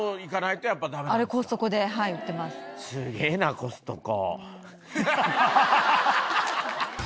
すげぇなコストコ。